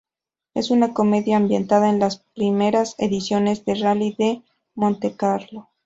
Es una comedia ambientada en las primeras ediciones del Rally de Montecarlo.